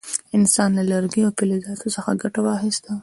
انسان له لرګیو او فلزاتو څخه ګټه واخیسته.